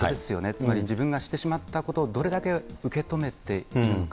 つまり自分がしてしまったことを、どれだけ受け止めているのか。